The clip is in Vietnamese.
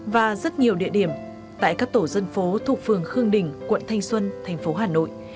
và rất nhiều địa điểm tại các tổ dân phố thuộc phường khương đình quận thanh xuân thành phố hà nội